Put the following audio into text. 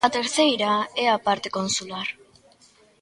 A terceira é a parte consular.